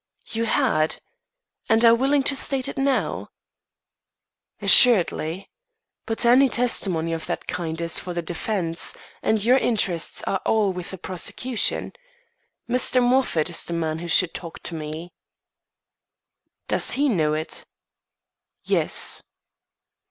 "You had. And are willing to state it now?" "Assuredly. But any testimony of that kind is for the defence, and your interests are all with the prosecution. Mr. Moffat is the man who should talk to me." "Does he know it?" "Yes."